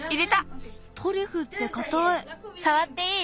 トリュフってかたい。